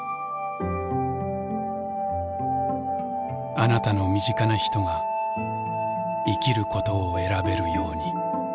あなたの身近な人が生きることを選べるように。